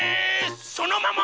そのまま！